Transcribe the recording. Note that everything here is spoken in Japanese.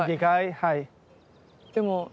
はい。